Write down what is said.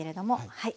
はい。